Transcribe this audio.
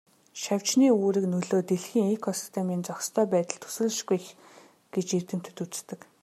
Шавжны үүрэг нөлөө дэлхийн экосистемийн зохистой байдалд төсөөлшгүй их гэж эрдэмтэд үздэг.